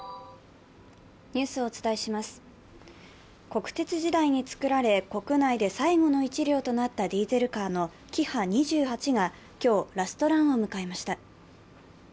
国鉄時代につくられ国内で最後の１両となったディーゼルカーのキハ２８が今日、ラストランを迎えました。